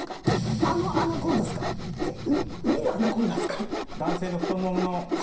あのアナコンダっすか？